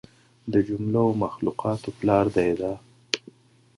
د جمله و مخلوقاتو پلار دى دا.